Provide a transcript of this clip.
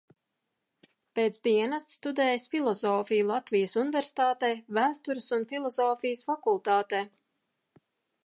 Pēc dienesta studējis filozofiju Latvijas Universitātē, Vēstures un filozofijas fakultātē.